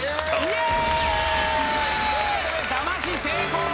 イェーイ！